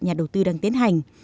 nhà đầu tư đang tiến hành